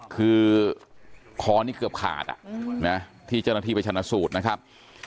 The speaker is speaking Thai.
คือคอนี่เกือบขาดที่เจ้าหน้าที่ไปชนะสูตรนะครับ